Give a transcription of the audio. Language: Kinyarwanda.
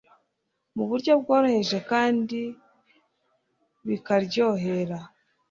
mu buryo bworoheje kandi bikaryohera